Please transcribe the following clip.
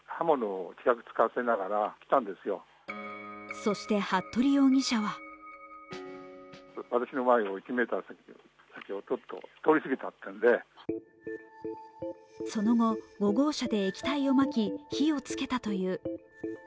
そして服部容疑者はその後、５号車で液体をまき、火をつけたという。